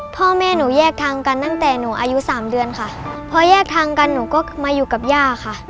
พ่อแม่หนูแยกทางกันตั้งแต่หนูอายุสามเดือนค่ะพอแยกทางกันหนูก็มาอยู่กับย่าค่ะ